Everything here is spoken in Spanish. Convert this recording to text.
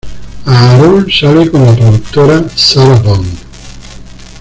Aaron sale con la productora Sarah Bond.